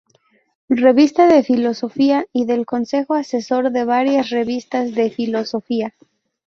Revista de Filosofía" y del consejo asesor de varias revistas de filosofía.